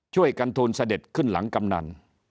ช่วยกันทูลเสด็จขึ้นหลังกำนัน